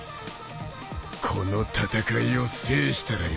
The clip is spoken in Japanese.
この戦いを制したらよ。